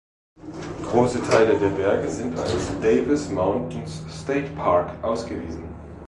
Große Teile der Berge sind als Davis Mountains State Park ausgewiesen.